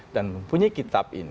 dan mempunyai ktpl